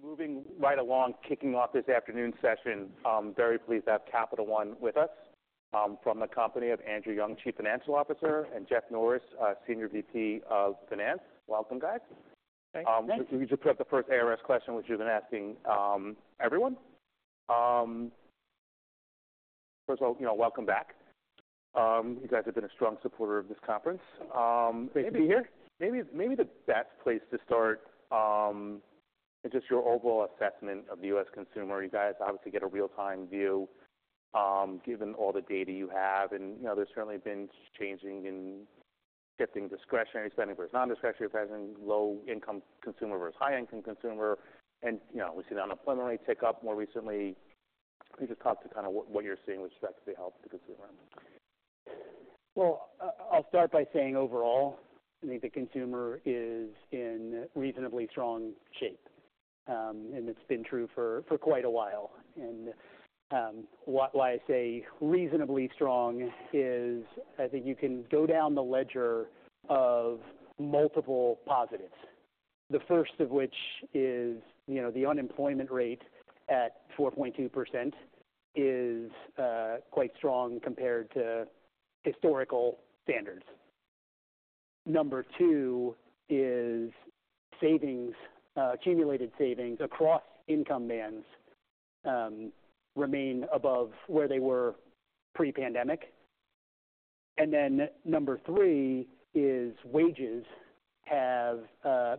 Moving right along, kicking off this afternoon's session, I'm very pleased to have Capital One with us. From the company of Andrew Young, Chief Financial Officer, and Jeff Norris, Senior VP of Finance. Welcome, guys. Thanks. We just put up the first ARS question, which we've been asking everyone. First of all, you know, welcome back. You guys have been a strong supporter of this conference. Great to be here. Maybe the best place to start is just your overall assessment of the U.S. consumer. You guys obviously get a real-time view, given all the data you have, and, you know, there's certainly been changing in shifting discretionary spending versus non-discretionary spending, low-income consumer versus high-income consumer. And, you know, we've seen the unemployment rate tick up more recently. Can you just talk to kind of what you're seeing with respect to the health of the consumer? I'll start by saying overall, I think the consumer is in reasonably strong shape, and it's been true for quite a while, and why I say reasonably strong is I think you can go down the ledger of multiple positives. The first of which is, you know, the unemployment rate at 4.2% is quite strong compared to historical standards. Number two is accumulated savings across income bands remain above where they were pre-pandemic. And then number three is wages have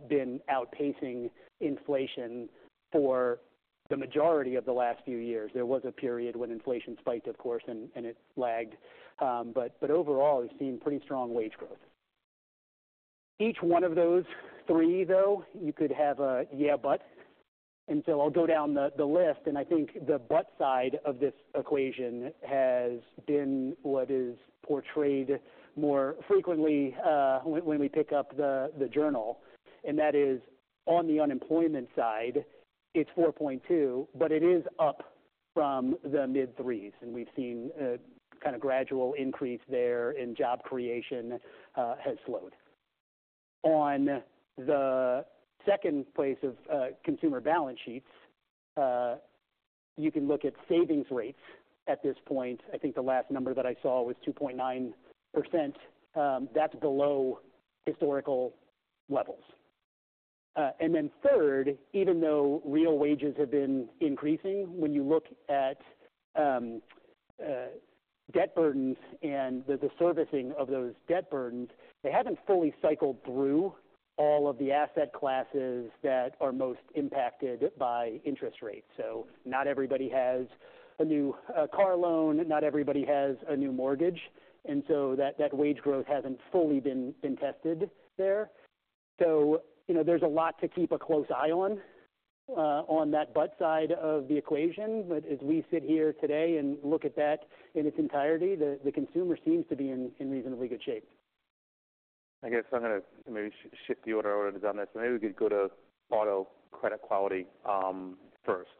been outpacing inflation for the majority of the last few years. There was a period when inflation spiked, of course, and it lagged, but overall, we've seen pretty strong wage growth. Each one of those three, though, you could have a, "Yeah, but..." And so I'll go down the list, and I think the but side of this equation has been what is portrayed more frequently, when we pick up the Journal, and that is on the unemployment side, it's 4.2, but it is up from the mid-threes, and we've seen a kind of gradual increase there, and job creation has slowed. On the second place of consumer balance sheets, you can look at savings rates at this point. I think the last number that I saw was 2.9%. That's below historical levels. And then third, even though real wages have been increasing, when you look at debt burdens and the servicing of those debt burdens, they haven't fully cycled through all of the asset classes that are most impacted by interest rates. So not everybody has a new car loan, not everybody has a new mortgage, and so that wage growth hasn't fully been tested there. So, you know, there's a lot to keep a close eye on that but side of the equation. But as we sit here today and look at that in its entirety, the consumer seems to be in reasonably good shape. I guess I'm going to maybe shift the order on this. Maybe we could go to auto credit quality first.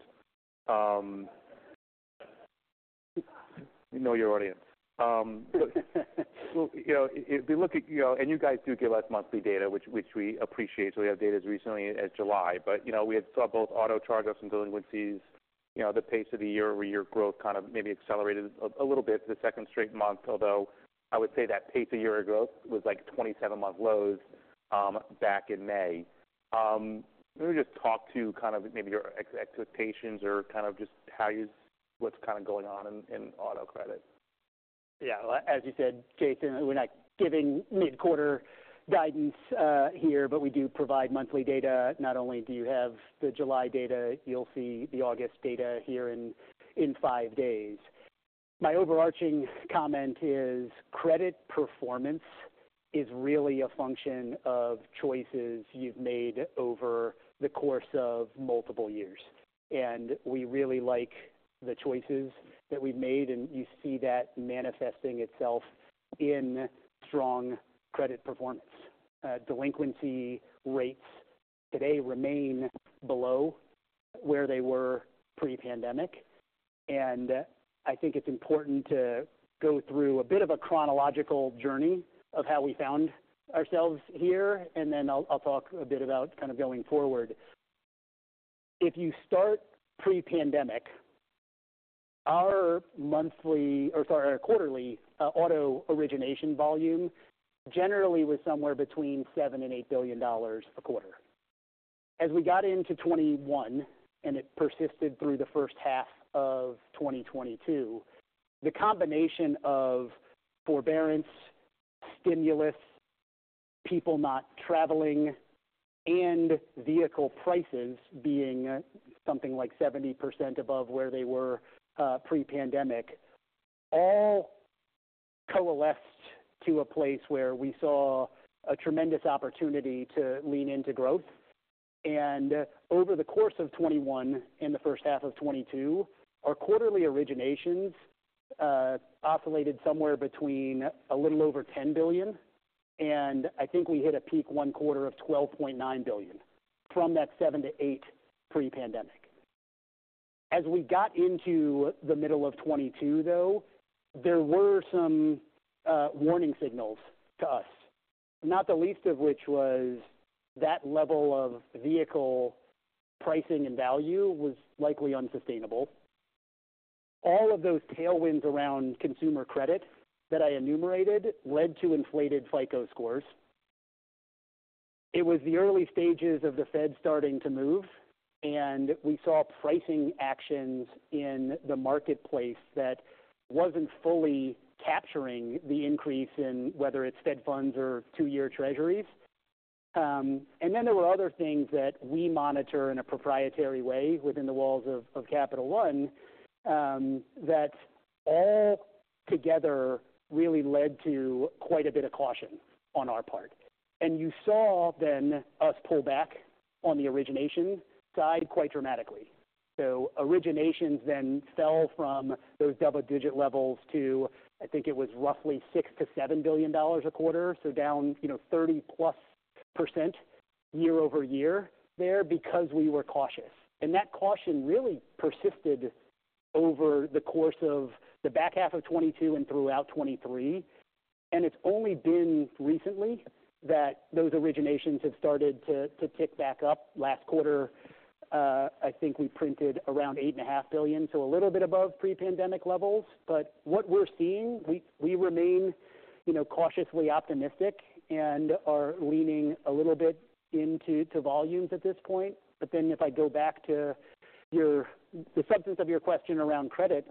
You know your audience. Well, you know, if we look at... You know, and you guys do give us monthly data, which we appreciate. So we have data as recently as July. But, you know, we had saw both auto charge-offs and delinquencies, you know, the pace of the year-over-year growth kind of maybe accelerated a little bit the second straight month, although I would say that pace a year ago was, like, 27-month lows back in May. Let me just talk to kind of maybe your expectations or kind of just how you what's kind of going on in auto credit. Yeah, well, as you said, Jason, we're not giving mid-quarter guidance here, but we do provide monthly data. Not only do you have the July data, you'll see the August data here in five days. My overarching comment is credit performance is really a function of choices you've made over the course of multiple years, and we really like the choices that we've made, and you see that manifesting itself in strong credit performance. Delinquency rates today remain below where they were pre-pandemic, and I think it's important to go through a bit of a chronological journey of how we found ourselves here, and then I'll talk a bit about kind of going forward. If you start pre-pandemic, our quarterly auto origination volume generally was somewhere between $7 billion and $8 billion a quarter. As we got into 2021, and it persisted through the H1 of 2022, the combination of forbearance, stimulus, people not traveling, and vehicle prices being something like 70% above where they were pre-pandemic, all coalesced to a place where we saw a tremendous opportunity to lean into growth. Over the course of 2021 and the H1 of 2022, our quarterly originations oscillated somewhere between a little over $10 billion and I think we hit a peak one quarter of $12.9 billion from that 7 to 8 pre-pandemic. As we got into the middle of 2022, though, there were some warning signals to us, not the least of which was that level of vehicle pricing and value was likely unsustainable. All of those tailwinds around consumer credit that I enumerated led to inflated FICO scores. It was the early stages of the Fed starting to move, and we saw pricing actions in the marketplace that wasn't fully capturing the increase in whether it's Fed funds or two-year treasuries. And then there were other things that we monitor in a proprietary way within the walls of Capital One that all together really led to quite a bit of caution on our part. You saw then us pull back on the origination side quite dramatically. So originations then fell from those double-digit levels to, I think it was roughly $6 to 7 billion a quarter, so down, you know, 30%+ year-over-year there because we were cautious. That caution really persisted over the course of the back half of 2022 and throughout 2023. It's only been recently that those originations have started to tick back up. Last quarter, I think we printed around $8.5 billion, so a little bit above pre-pandemic levels. But what we're seeing, we remain, you know, cautiously optimistic and are leaning a little bit into volumes at this point. But then if I go back to the substance of your question around credit,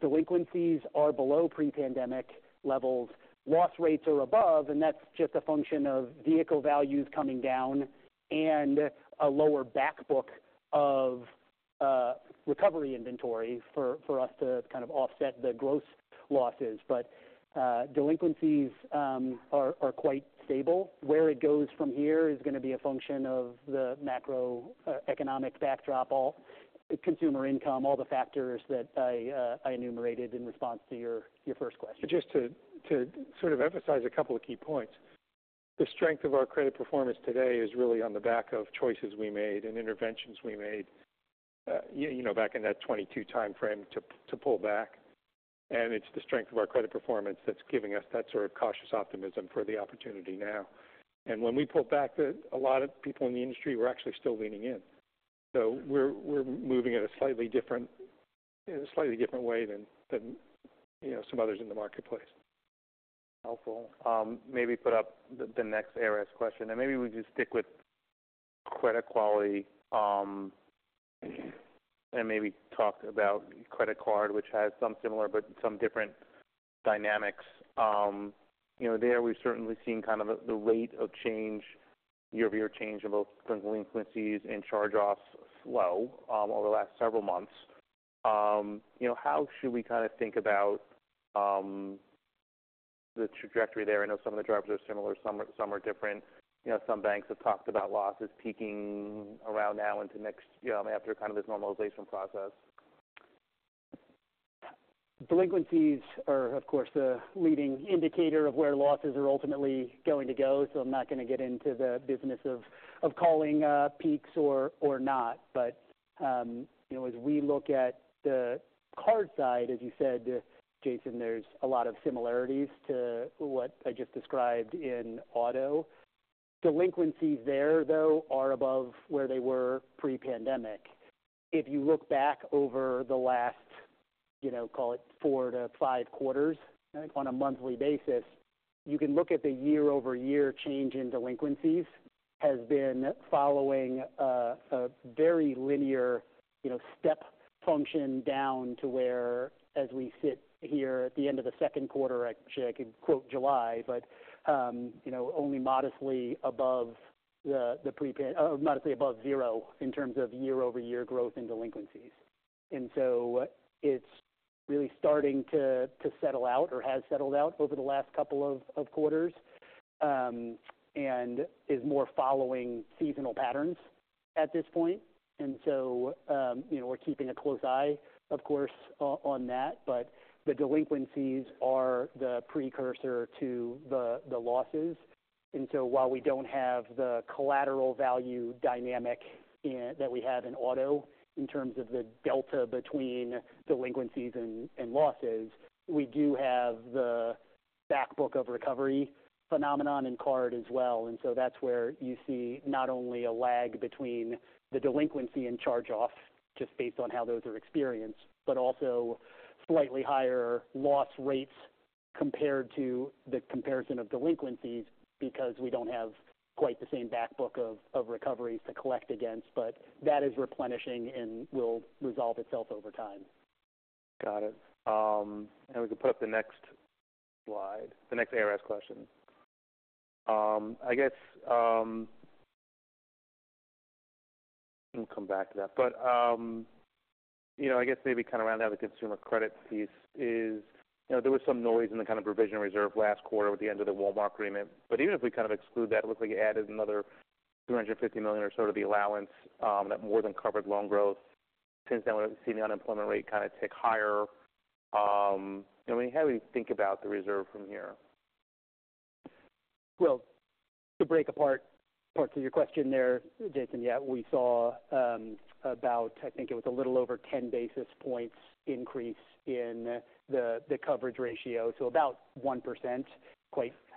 delinquencies are below pre-pandemic levels. Loss rates are above, and that's just a function of vehicle values coming down and a lower backbook of recovery inventory for us to kind of offset the gross losses. But, delinquencies are quite stable. Where it goes from here is going to be a function of the macroeconomic backdrop, all consumer income, all the factors that I enumerated in response to your first question. Just to sort of emphasize a couple of key points, the strength of our credit performance today is really on the back of choices we made and interventions we made, you know, back in that 2022 time frame to pull back. It's the strength of our credit performance that's giving us that sort of cautious optimism for the opportunity now. When we pulled back, a lot of people in the industry were actually still leaning in. We're moving in a slightly different way than, you know, some others in the marketplace. Helpful. Maybe put up the next ARS question, and maybe we just stick with credit quality, and maybe talk about credit card, which has some similar but some different dynamics. You know, there we've certainly seen kind of the rate of change, year-over-year change in both delinquencies and charge-offs slow over the last several months. You know, how should we kind of think about the trajectory there? I know some of the drivers are similar, some are different. You know, some banks have talked about losses peaking around now into next, you know, after kind of this normalization process. Delinquencies are, of course, a leading indicator of where losses are ultimately going to go, so I'm not going to get into the business of calling peaks or not. But you know, as we look at the card side, as you said, Jason, there's a lot of similarities to what I just described in auto. Delinquencies there, though, are above where they were pre-pandemic. If you look back over the last, you know, call it four to five quarters on a monthly basis, you can look at the year-over-year change in delinquencies has been following a very linear, you know, step function down to where, as we sit here at the end of the Q2, actually, I could quote July, but you know, only modestly above the pre-pandemic, modestly above zero in terms of year-over-year growth in delinquencies. It's really starting to settle out or has settled out over the last couple of quarters and is more following seasonal patterns at this point. You know, we're keeping a close eye, of course, on that, but the delinquencies are the precursor to the losses. While we don't have the collateral value dynamic in that we have in auto in terms of the delta between delinquencies and losses, we do have the backbook of recovery phenomenon in card as well. And so that's where you see not only a lag between the delinquency and charge-off, just based on how those are experienced, but also slightly higher loss rates compared to the comparison of delinquencies, because we don't have quite the same backbook of recoveries to collect against, but that is replenishing and will resolve itself over time. Got it. And we can put up the next slide, the next ARS question. I guess, we'll come back to that. But, you know, I guess maybe kind of around the consumer credit piece is, you know, there was some noise in the kind of provision reserve last quarter with the end of the Walmart agreement. But even if we kind of exclude that, it looks like it added another $250 million or so to the allowance, that more than covered loan growth. Since then, we've seen the unemployment rate kind of tick higher. You know, how do you think about the reserve from here? Well, to break apart parts of your question there, Jason, yeah, we saw about I think it was a little over ten basis points increase in the coverage ratio to about 1%.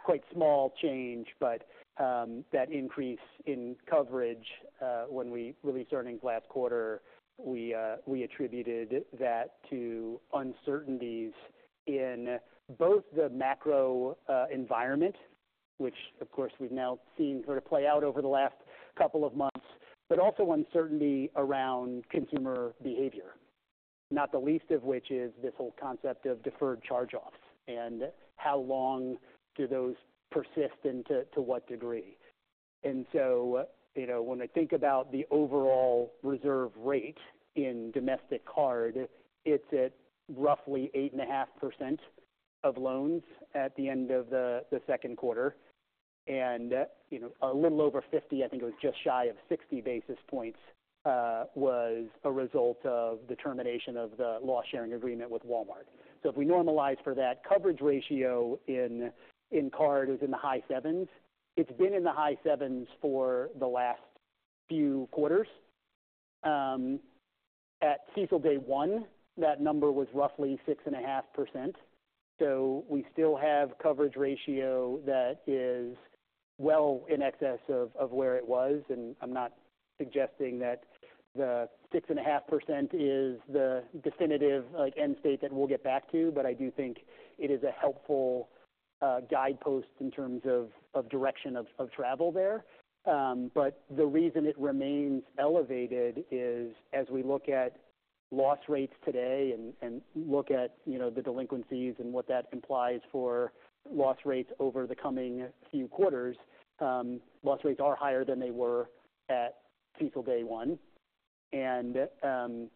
Quite small change, but that increase in coverage, when we released earnings last quarter, we attributed that to uncertainties in both the macro environment, which of course, we've now seen sort of play out over the last couple of months, but also uncertainty around consumer behavior, not the least of which is this whole concept of deferred charge-offs and how long do those persist and to what degree. And so, you know, when I think about the overall reserve rate in domestic card, it's at roughly 8.5% of loans at the end of the Q2. And, you know, a little over 50, I think it was just shy of 60 basis points was a result of the termination of the loss-sharing agreement with Walmart. So if we normalize for that coverage ratio in card, it's in the high sevens. It's been in the high sevens for the last few quarters. At CECL day one, that number was roughly 6.5%. So we still have coverage ratio that is well in excess of where it was, and I'm not suggesting that the 6.5% is the definitive like end state that we'll get back to, but I do think it is a helpful guidepost in terms of direction of travel there. But the reason it remains elevated is as we look at loss rates today and look at, you know, the delinquencies and what that implies for loss rates over the coming few quarters, loss rates are higher than they were at CECL day one. And you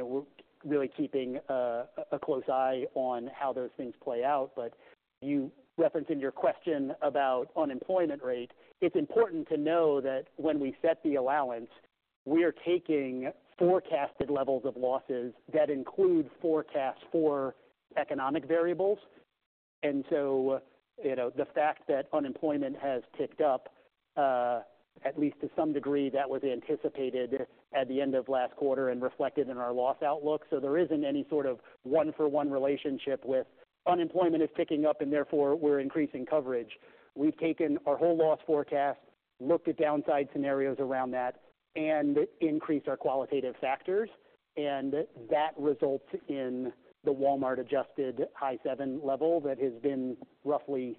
know, we're really keeping a close eye on how those things play out. But you referenced in your question about unemployment rate. It's important to know that when we set the allowance, we are taking forecasted levels of losses that include forecasts for economic variables. And so, you know, the fact that unemployment has ticked up, at least to some degree, that was anticipated at the end of last quarter and reflected in our loss outlook. So there isn't any sort of one-for-one relationship with unemployment is ticking up, and therefore we're increasing coverage. We've taken our whole loss forecast, looked at downside scenarios around that, and increased our qualitative factors, and that results in the Walmart-adjusted high seven level that has been roughly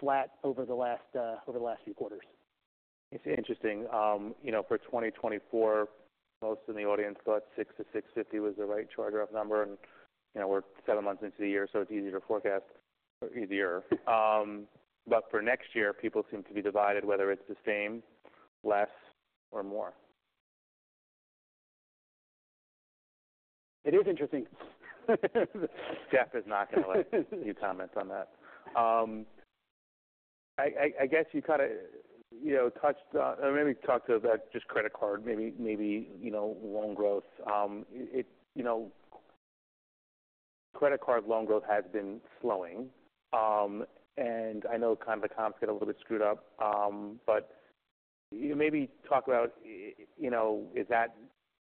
flat over the last few quarters. It's interesting, you know, for 2024, most of the audience thought 6% to 6.50% was the right charge-off number, and, you know, we're seven months into the year, so it's easier to forecast, but for next year, people seem to be divided, whether it's the same, less or more. It is interesting. Jeff is not going to let you comment on that. I guess you kind of, you know, touched on or maybe talked about just credit card, maybe you know, loan growth. You know, credit card loan growth has been slowing, and I know kind of the comps get a little bit screwed up, but you maybe talk about, you know, is that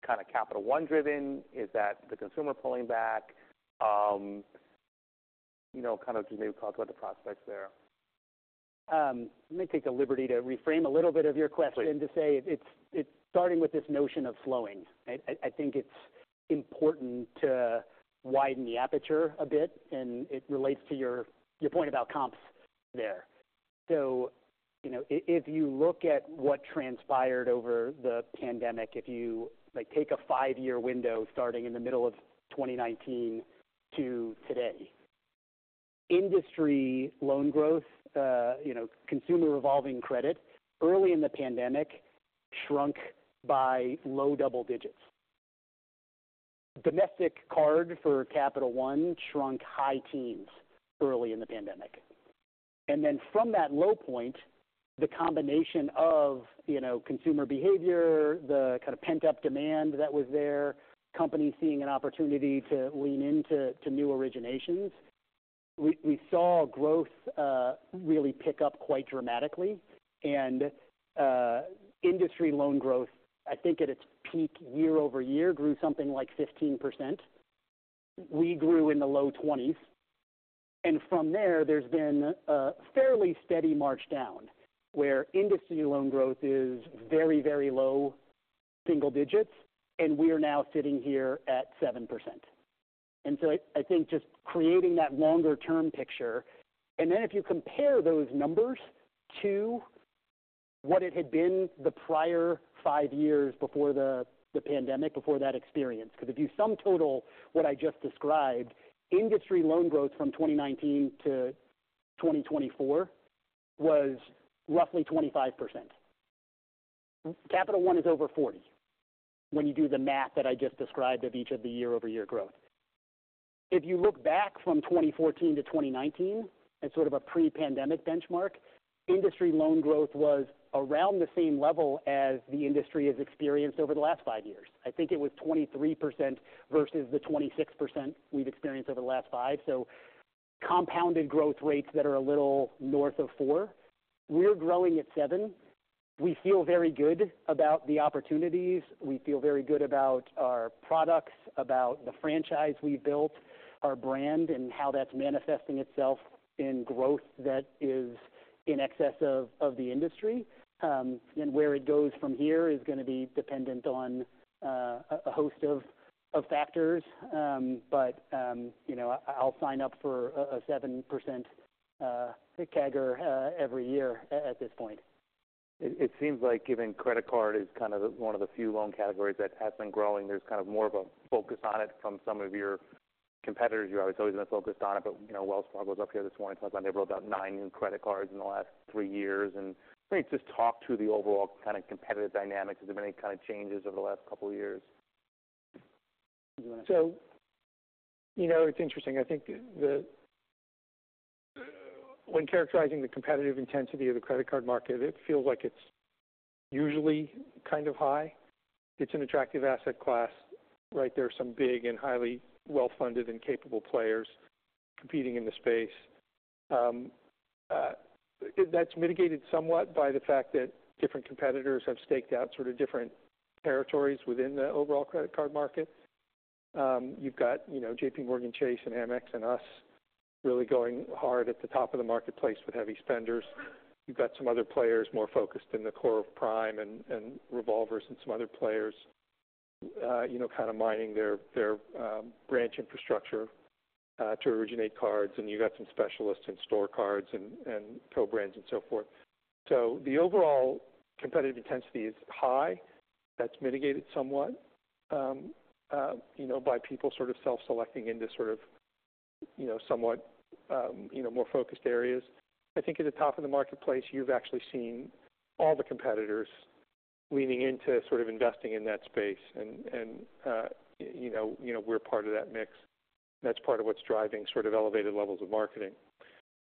kind of Capital One driven? Is that the consumer pulling back? You know, kind of just maybe talk about the prospects there. Let me take the liberty to reframe a little bit of your question- Please. To say it's starting with this notion of slowing. I think it's important to widen the aperture a bit, and it relates to your point about comps there. So you know, if you look at what transpired over the pandemic, if you like take a five-year window starting in the middle of 2019 to today. Industry loan growth, you know, consumer revolving credit early in the pandemic shrunk by low double digits. Domestic card for Capital One shrunk high teens early in the pandemic. And then from that low point, the combination of, you know, consumer behavior, the kind of pent-up demand that was there, companies seeing an opportunity to lean into new originations. We saw growth really pick up quite dramatically. And industry loan growth, I think at its peak year-over-year, grew something like 15%. We grew in the low twenties, and from there, there's been a fairly steady march down, where industry loan growth is very, very low single digits, and we are now sitting here at 7%, and so I, I think just creating that longer-term picture, and then if you compare those numbers to what it had been the prior five years before the pandemic, before that experience, because if you sum total what I just described, industry loan growth from 2019 to 2024 was roughly 25%. Capital One is over 40% when you do the math that I just described of each of the year-over-year growth. If you look back from 2014 to 2019, as sort of a pre-pandemic benchmark, industry loan growth was around the same level as the industry has experienced over the last five years. I think it was 23% versus the 26% we've experienced over the last five. Compounded growth rates that are a little north of four. We're growing at seven. We feel very good about the opportunities. We feel very good about our products, about the franchise we've built, our brand, and how that's manifesting itself in growth that is in excess of the industry. And where it goes from here is gonna be dependent on a host of factors. But you know, I'll sign up for a 7% CAGR every year at this point. It seems like given that credit card is kind of one of the few loan categories that has been growing. There's kind of more of a focus on it from some of your competitors. You've always been focused on it, but you know, Wells Fargo was up here this morning talking about they rolled out nine new credit cards in the last three years. And maybe just talk to the overall kind of competitive dynamics. Has there been any kind of changes over the last couple of years? So, you know, it's interesting. I think when characterizing the competitive intensity of the credit card market, it feels like it's usually kind of high. It's an attractive asset class, right? There are some big and highly well-funded and capable players competing in the space. That's mitigated somewhat by the fact that different competitors have staked out sort of different territories within the overall credit card market. You've got, you know, JPMorgan Chase and Amex and us really going hard at the top of the marketplace with heavy spenders. You've got some other players more focused in the core of Prime and revolvers, and some other players, you know, kind of mining their branch infrastructure to originate cards, and you've got some specialists in store cards and co-brands and so forth. So the overall competitive intensity is high. That's mitigated somewhat, you know, by people sort of self-selecting into sort of, you know, somewhat, more focused areas. I think at the top of the marketplace, you've actually seen all the competitors leaning into sort of investing in that space, and, you know, we're part of that mix. That's part of what's driving sort of elevated levels of marketing.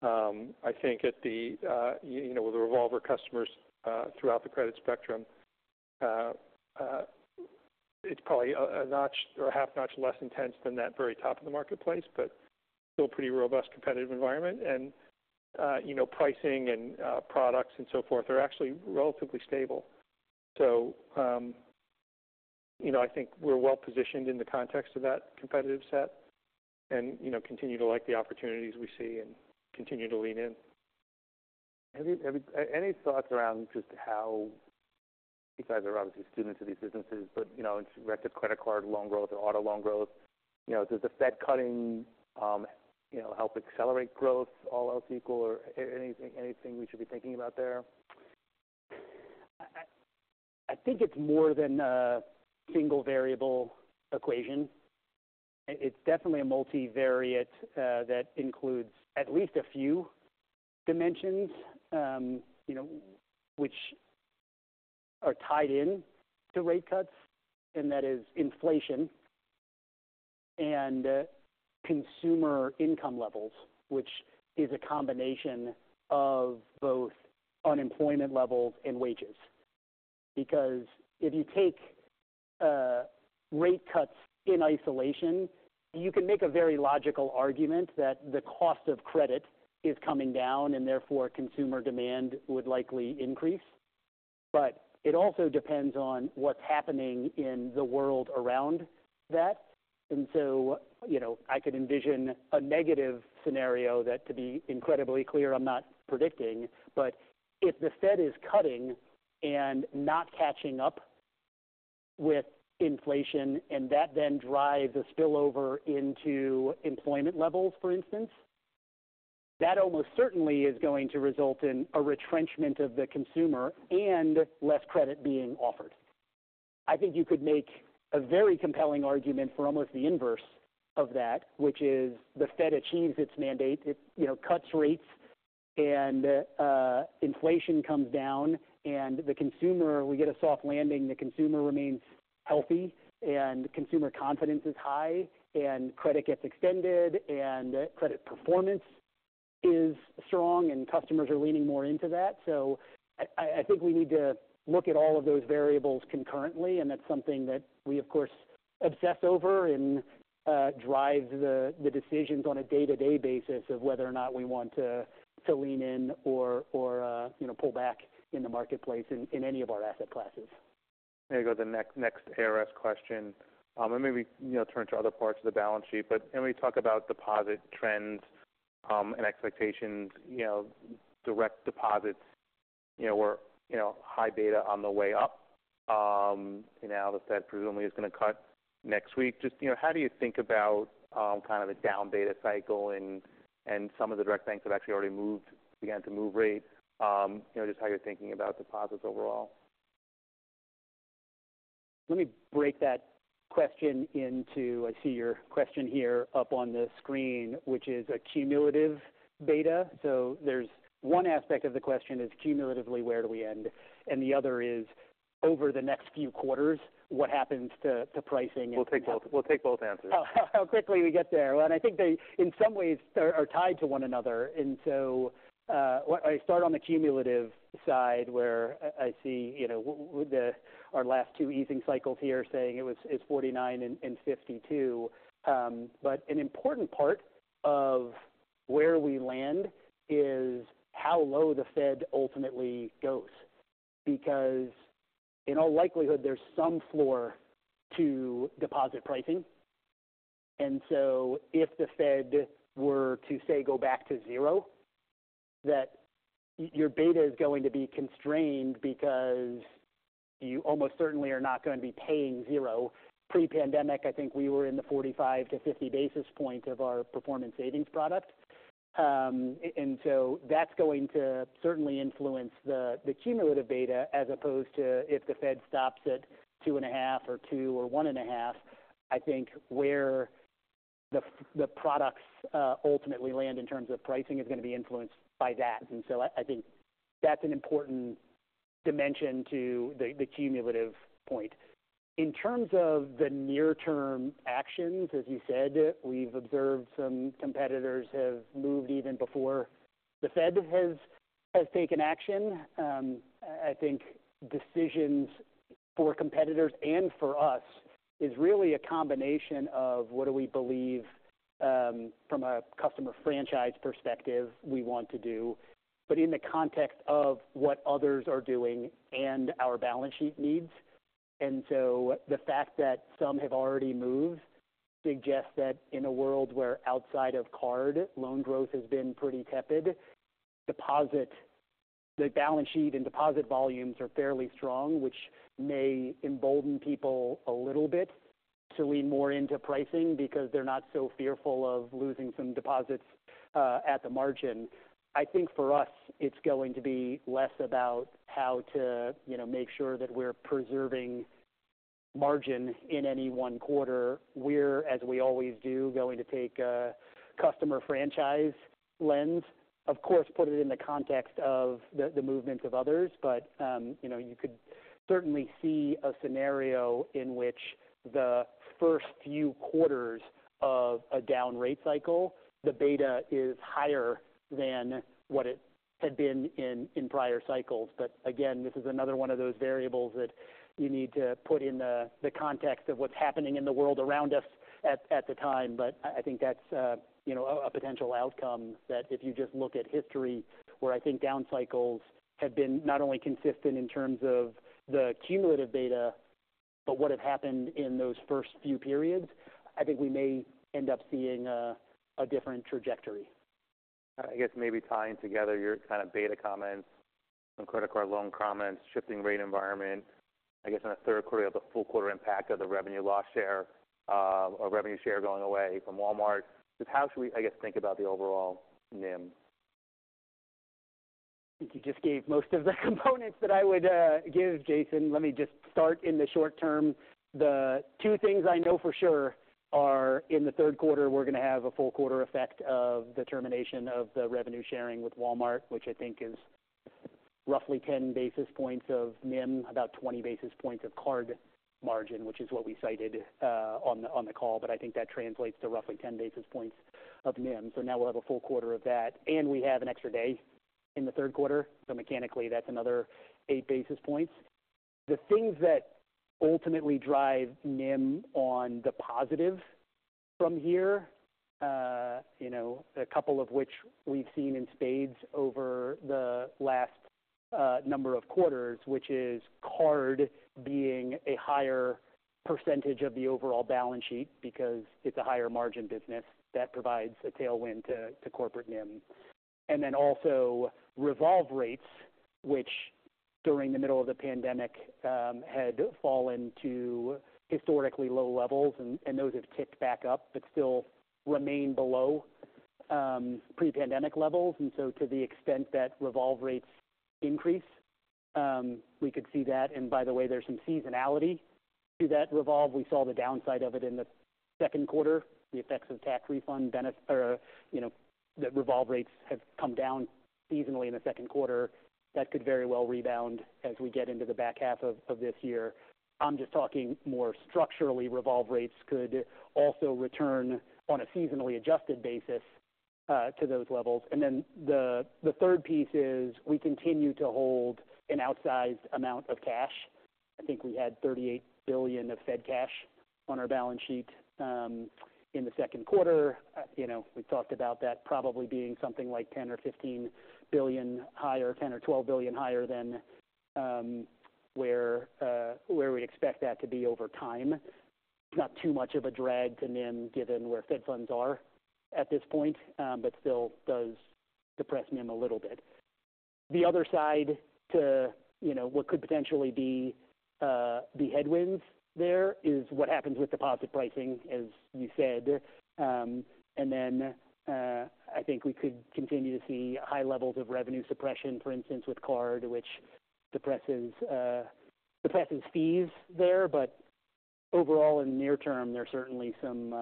I think at the, you know, with the revolver customers, throughout the credit spectrum, it's probably a notch or a half notch less intense than that very top of the marketplace, but still a pretty robust competitive environment. And, you know, pricing and, products and so forth are actually relatively stable. You know, I think we're well positioned in the context of that competitive set and, you know, continue to like the opportunities we see and continue to lean in. Any thoughts around just how you guys are obviously students of these businesses, but, you know, in respect to credit card loan growth or auto loan growth, you know, does the Fed cutting, you know, help accelerate growth, all else equal, or anything we should be thinking about there? I think it's more than a single variable equation. It's definitely a multivariate that includes at least a few dimensions, you know, which are tied in to rate cuts, and that is inflation and consumer income levels, which is a combination of both unemployment levels and wages. Because if you take rate cuts in isolation, you can make a very logical argument that the cost of credit is coming down, and therefore, consumer demand would likely increase. But it also depends on what's happening in the world around that. And so, you know, I could envision a negative scenario that, to be incredibly clear, I'm not predicting. But if the Fed is cutting and not catching up with inflation, and that then drives a spillover into employment levels, for instance, that almost certainly is going to result in a retrenchment of the consumer and less credit being offered. I think you could make a very compelling argument for almost the inverse of that, which is the Fed achieves its mandate. It, you know, cuts rates, and, inflation comes down, and the consumer- we get a soft landing, the consumer remains healthy, and consumer confidence is high, and credit gets extended, and credit performance is strong, and customers are leaning more into that. So I think we need to look at all of those variables concurrently, and that's something that we, of course, obsess over and drives the decisions on a day-to-day basis of whether or not we want to lean in or, you know, pull back in the marketplace in any of our asset classes. There you go, the next ARS question, and maybe, you know, turn to other parts of the balance sheet, but can we talk about deposit trends and expectations, you know, direct deposits, you know, were, you know, high beta on the way up. You know, the Fed presumably is going to cut next week. Just, you know, how do you think about kind of a down beta cycle and some of the direct banks have actually already begun to move rates? You know, just how you're thinking about deposits overall. Let me break that question into... I see your question here up on the screen, which is a cumulative beta. So there's one aspect of the question is, cumulatively, where do we end? And the other is, over the next few quarters, what happens to pricing and- We'll take both. We'll take both answers. How quickly we get there. Well, and I think they, in some ways, are tied to one another. And so, what I start on the cumulative side, where I see, you know, with the our last two easing cycles here saying it was, it's 49 and 52. But an important part of where we land is how low the Fed ultimately goes. Because in all likelihood, there's some floor to deposit pricing. And so if the Fed were to, say, go back to zero, that your beta is going to be constrained because you almost certainly are not going to be paying zero. Pre-pandemic, I think we were in the 45 to 50 basis points of our performance savings product. And so that's going to certainly influence the cumulative beta, as opposed to if the Fed stops at two and a half or two or one and a half. I think where the products ultimately land in terms of pricing is going to be influenced by that. And so I think that's an important dimension to the cumulative point. In terms of the near-term actions, as you said, we've observed some competitors have moved even before the Fed has taken action. I think decisions for competitors and for us is really a combination of what do we believe from a customer franchise perspective we want to do, but in the context of what others are doing and our balance sheet needs. And so the fact that some have already moved suggests that in a world where outside of card, loan growth has been pretty tepid, deposit, the balance sheet and deposit volumes are fairly strong, which may embolden people a little bit to lean more into pricing because they're not so fearful of losing some deposits at the margin. I think for us, it's going to be less about how to, you know, make sure that we're preserving margin in any one quarter. We're, as we always do, going to take a customer franchise lens, of course, put it in the context of the movement of others, but you know, you could certainly see a scenario in which the first few quarters of a down rate cycle, the beta is higher than what it had been in prior cycles. But again, this is another one of those variables that you need to put in the context of what's happening in the world around us at the time. But I think that's a, you know, a potential outcome, that if you just look at history, where I think down cycles have been not only consistent in terms of the cumulative data, but what have happened in those first few periods, I think we may end up seeing a different trajectory. I guess maybe tying together your kind of beta comments and credit card loan comments, shifting rate environment, I guess in the Q3 of the full quarter impact of the revenue loss share, or revenue share going away from Walmart. Just how should we, I guess, think about the overall NIM? I think you just gave most of the components that I would give, Jason. Let me just start in the short term. The two things I know for sure are in the Q3, we're going to have a full quarter effect of the termination of the revenue sharing with Walmart, which I think is roughly ten basis points of NIM, about twenty basis points of card margin, which is what we cited on the call, but I think that translates to roughly 10 basis points of NIM. So now we'll have a full quarter of that, and we have an extra day in the Q3, so mechanically, that's another eight basis points. The things that ultimately drive NIM on the positive from here, you know, a couple of which we've seen in spades over the last number of quarters, which is card being a higher percentage of the overall balance sheet because it's a higher margin business that provides a tailwind to corporate NIM. And then also, revolve rates, which during the middle of the pandemic had fallen to historically low levels, and those have ticked back up but still remain below pre-pandemic levels. And so to the extent that revolve rates increase, we could see that. And by the way, there's some seasonality to that revolve. We saw the downside of it in the Q2, the effects of tax refund or, you know, the revolve rates have come down seasonally in the Q2. That could very well rebound as we get into the back half of this year. I'm just talking more structurally, revolve rates could also return on a seasonally adjusted basis to those levels. And then the third piece is we continue to hold an outsized amount of cash. I think we had $38 billion of Fed cash on our balance sheet in the Q2. You know, we talked about that probably being something like $10 or $15 billion higher, $10 or $12 billion higher than where we'd expect that to be over time. Not too much of a drag to NIM, given where Fed funds are at this point, but still does depress NIM a little bit. The other side to, you know, what could potentially be the headwinds there is what happens with deposit pricing, as you said. And then, I think we could continue to see high levels of revenue suppression, for instance, with card, which depresses fees there. But overall, in the near term, there are certainly some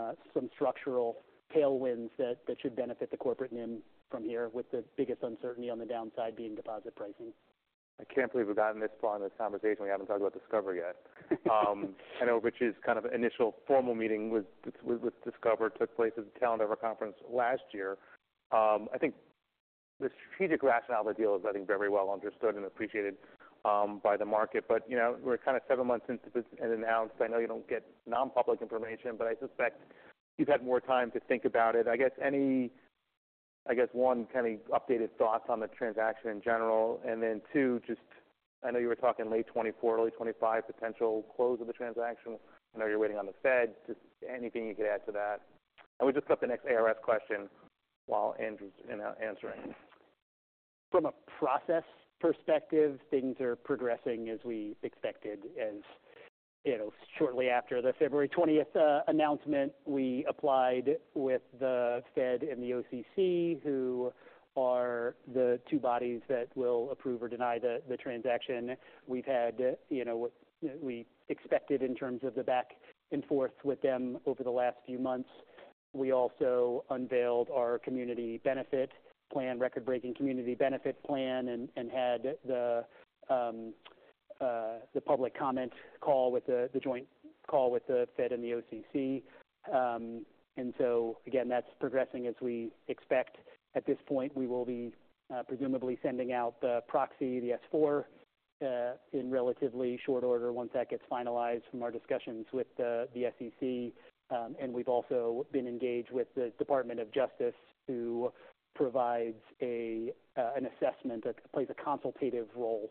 structural tailwinds that should benefit the corporate NIM from here, with the biggest uncertainty on the downside being deposit pricing. I can't believe we've gotten this far in the conversation. We haven't talked about Discover yet. I know, which is kind of initial formal meeting with Discover took place at the Telluride Conference last year. The strategic rationale of the deal is, I think, very well understood and appreciated by the market. But, you know, we're kind of seven months into this and announced. I know you don't get non-public information, but I suspect you've had more time to think about it. I guess, one, kind of updated thoughts on the transaction in general. And then, two, just I know you were talking late 2024, early 2025 potential close of the transaction. I know you're waiting on the Fed. Just anything you could add to that? And we'll just flip the next ARS question while Andrew's in answering. From a process perspective, things are progressing as we expected. As you know, shortly after the 20 February announcement, we applied with the Fed and the OCC, who are the two bodies that will approve or deny the transaction. We've had, you know, what we expected in terms of the back and forth with them over the last few months. We also unveiled our community benefit plan, record-breaking community benefit plan, and had the public comment call, the joint call with the Fed and the OCC, and so again, that's progressing as we expect. At this point, we will be presumably sending out the proxy, the S-4, in relatively short order once that gets finalized from our discussions with the SEC. And we've also been engaged with the Department of Justice, who provides an assessment that plays a consultative role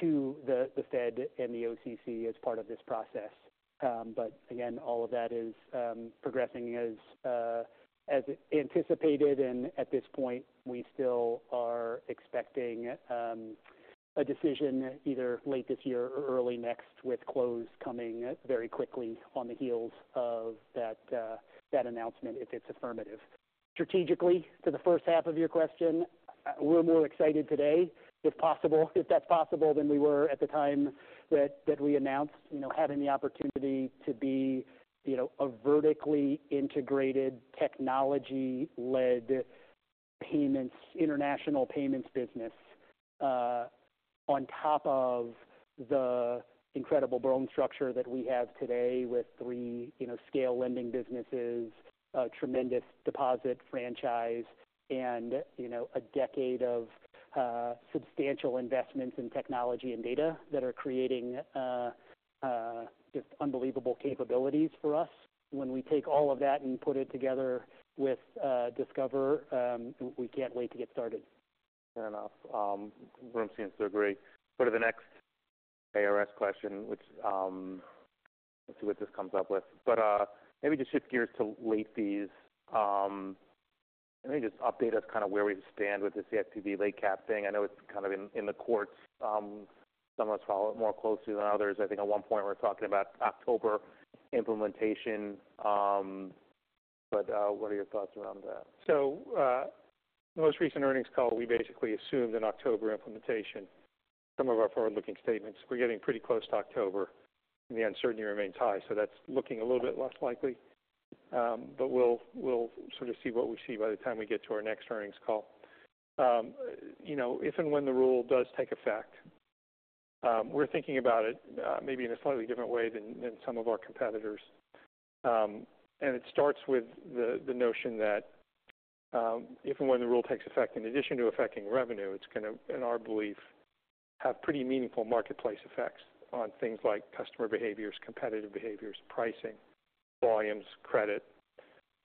to the Fed and the OCC as part of this process. But again, all of that is progressing as anticipated, and at this point, we still are expecting a decision either late this year or early next, with close coming very quickly on the heels of that announcement, if it's affirmative. Strategically, to the first half of your question, we're more excited today, if possible, if that's possible, than we were at the time that we announced. You know, having the opportunity to be, you know, a vertically integrated, technology-led payments, international payments business, on top of the incredible bone structure that we have today with three, you know, scale lending businesses, a tremendous deposit franchise, and, you know, a decade of, substantial investments in technology and data that are creating, just unbelievable capabilities for us. When we take all of that and put it together with, Discover, we can't wait to get started. Fair enough. The room seems to agree. Go to the next ARS question, which, let's see what this comes up with. But, maybe just shift gears to late fees. Maybe just update us kind of where we stand with the CFPB late cap thing. I know it's kind of in the courts. Some of us follow it more closely than others. I think at one point we're talking about October implementation, but, what are your thoughts around that? So, most recent earnings call, we basically assumed an October implementation. Some of our forward-looking statements, we're getting pretty close to October, and the uncertainty remains high. So that's looking a little bit less likely. But we'll sort of see what we see by the time we get to our next earnings call. You know, if and when the rule does take effect, we're thinking about it, maybe in a slightly different way than some of our competitors. And it starts with the notion that, if and when the rule takes effect, in addition to affecting revenue, it's going to, in our belief, have pretty meaningful marketplace effects on things like customer behaviors, competitive behaviors, pricing, volumes, credit.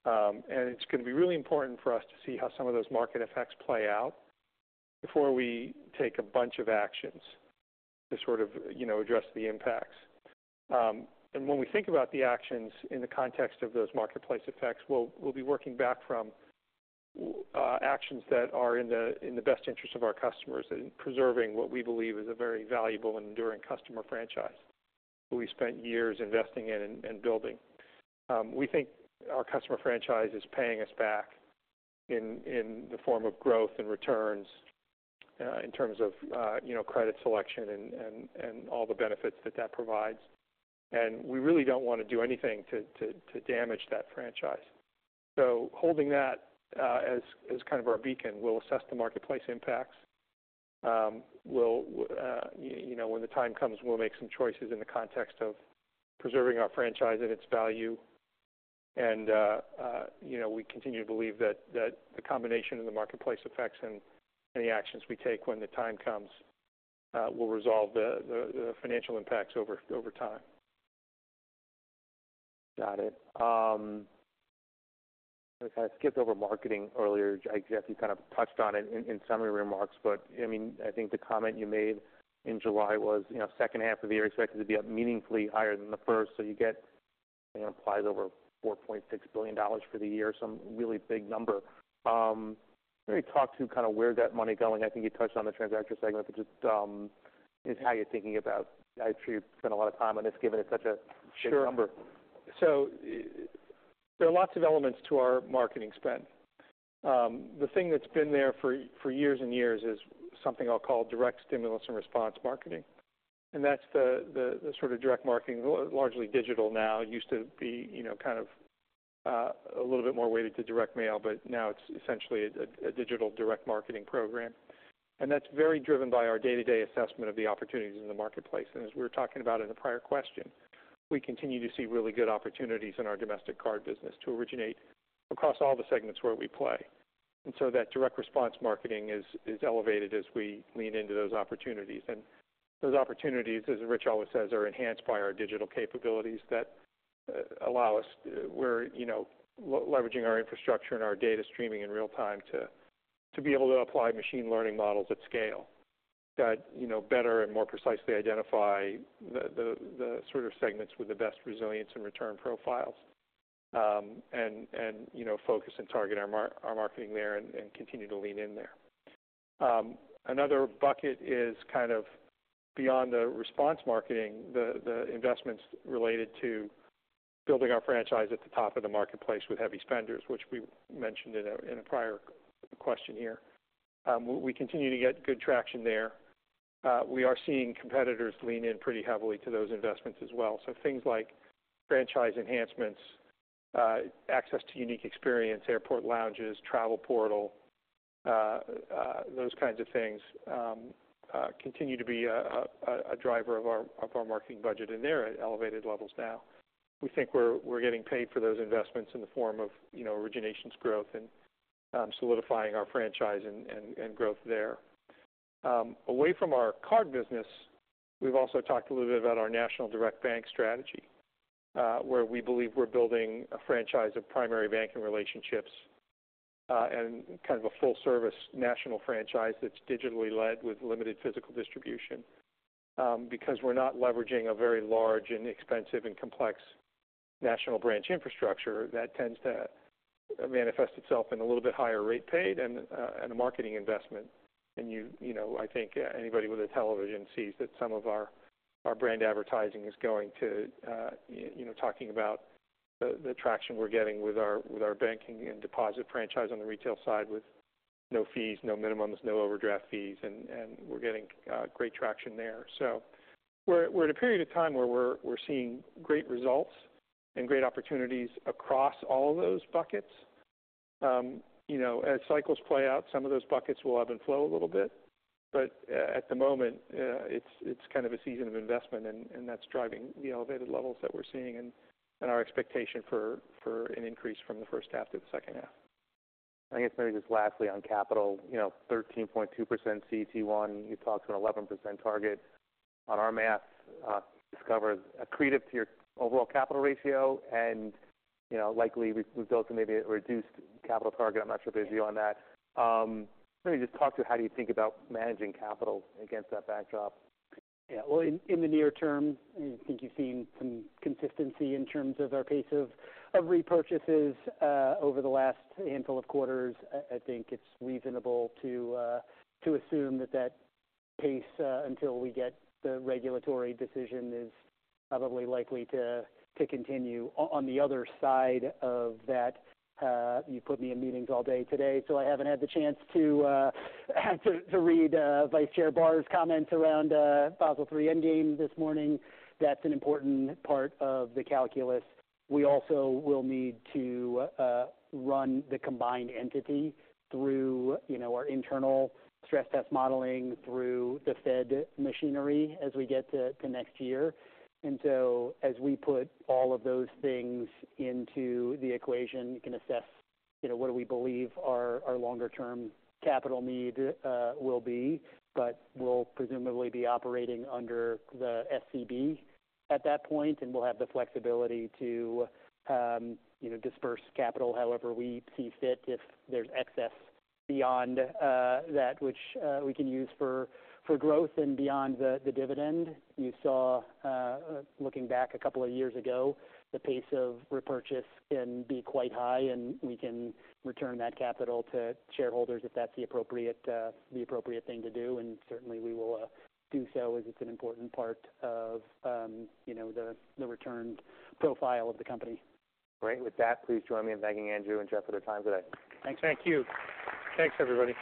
And it's going to be really important for us to see how some of those market effects play out before we take a bunch of actions to sort of, you know, address the impacts. And when we think about the actions in the context of those marketplace effects, we'll be working back from actions that are in the best interest of our customers in preserving what we believe is a very valuable and enduring customer franchise, who we spent years investing in and building. We think our customer franchise is paying us back in the form of growth and returns in terms of, you know, credit selection and all the benefits that that provides. And we really don't want to do anything to damage that franchise. So holding that as kind of our beacon, we'll assess the marketplace impacts. We'll you know, when the time comes, we'll make some choices in the context of preserving our franchise and its value. And you know, we continue to believe that the combination of the marketplace effects and the actions we take when the time comes will resolve the financial impacts over time. Got it. I skipped over marketing earlier. Jeff, you kind of touched on it in summary remarks, but, I mean, I think the comment you made in July was, you know, H2 of the year expected to be up meaningfully higher than the first. So you get, it applies over $4.6 billion for the year, some really big number. Maybe talk to kind of where that money going. I think you touched on the transaction segment, but just, is how you're thinking about. I'm sure you've spent a lot of time on this, given it's such a big number. Sure. So there are lots of elements to our marketing spend. The thing that's been there for years and years is something I'll call direct stimulus and response marketing, and that's the sort of direct marketing, largely digital now. It used to be, you know, kind of, a little bit more weighted to direct mail, but now it's essentially a digital direct marketing program. And that's very driven by our day-to-day assessment of the opportunities in the marketplace. And as we were talking about in the prior question, we continue to see really good opportunities in our domestic card business to originate across all the segments where we play. And so that direct response marketing is elevated as we lean into those opportunities. And those opportunities, as Rich always says, are enhanced by our digital capabilities that allow us. We're, you know, leveraging our infrastructure and our data streaming in real time to be able to apply machine learning models at scale, that, you know, better and more precisely identify the sort of segments with the best resilience and return profiles. And, you know, focus and target our marketing there and continue to lean in there. Another bucket is kind of beyond the response marketing, the investments related to building our franchise at the top of the marketplace with heavy spenders, which we mentioned in a prior question here. We continue to get good traction there. We are seeing competitors lean in pretty heavily to those investments as well. So things like franchise enhancements, access to unique experience, airport lounges, travel portal, those kinds of things, continue to be a driver of our marketing budget, and they're at elevated levels now. We think we're getting paid for those investments in the form of, you know, originations growth and, solidifying our franchise and growth there. Away from our card business, we've also talked a little bit about our national direct bank strategy, where we believe we're building a franchise of primary banking relationships, and kind of a full service national franchise that's digitally led with limited physical distribution. Because we're not leveraging a very large and expensive and complex national branch infrastructure, that tends to manifest itself in a little bit higher rate paid and a marketing investment. And you know, I think anybody with a television sees that some of our brand advertising is going to, you know, talking about the traction we're getting with our banking and deposit franchise on the retail side, with no fees, no minimums, no overdraft fees, and we're getting great traction there. So we're at a period of time where we're seeing great results and great opportunities across all of those buckets. You know, as cycles play out, some of those buckets will ebb and flow a little bit, but at the moment, it's kind of a season of investment, and that's driving the elevated levels that we're seeing and our expectation for an increase from the H1 to the H2. I guess maybe just lastly on capital, you know, 13.2% CET1. You talked to an 11% target. On our math, this covers accretive to your overall capital ratio and, you know, likely we, we've built maybe a reduced capital target. I'm not sure if there's view on that. Maybe just talk through how do you think about managing capital against that backdrop? Yeah. Well, in the near term, I think you've seen some consistency in terms of our pace of repurchases over the last handful of quarters. I think it's reasonable to assume that that pace until we get the regulatory decision is probably likely to continue. On the other side of that, you've put me in meetings all day today, so I haven't had the chance to read Vice Chair Barr's comments around Basel III Endgame this morning. That's an important part of the calculus. We also will need to run the combined entity through, you know, our internal stress test modeling through the Fed machinery as we get to next year. And so as we put all of those things into the equation, we can assess, you know, what do we believe our longer term capital need will be. But we'll presumably be operating under the SCB at that point, and we'll have the flexibility to, you know, disperse capital however we see fit, if there's excess beyond that which we can use for growth and beyond the dividend. You saw looking back a couple of years ago, the pace of repurchase can be quite high, and we can return that capital to shareholders if that's the appropriate thing to do. And certainly we will do so, as it's an important part of, you know, the return profile of the company. Great! With that, please join me in thanking Andrew and Jeff for their time today. Thanks. Thank you. Thanks, everybody.